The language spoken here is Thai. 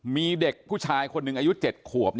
มีเด็กผู้ชายคนหนึ่งอายุ๗ขวบ